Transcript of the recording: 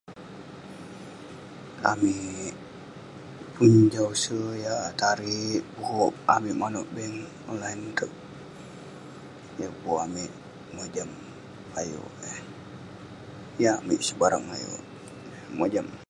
Amik pun jah use yah tarik pukuk amik manouk bank online itouk. Yah kuk amik mojam ayuk eh. Yeng amik sebarang ayuk. Mojam.